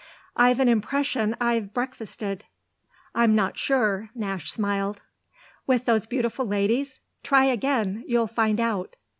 "I've an impression I've breakfasted I'm not sure," Nash smiled. "With those beautiful ladies? Try again you'll find out."